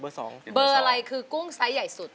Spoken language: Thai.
เบอร์อะไรคือกุ้งไซส์ใหญ่สุด